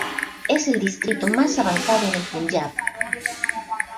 Es el distrito más avanzado en el Punjab.